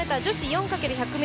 ４×１００